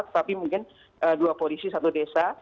tetapi mungkin dua polisi satu desa